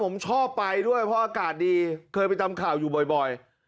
ผมชอบไปด้วยเพราะอากาศดีเคยไปทำข่าวอยู่บ่อย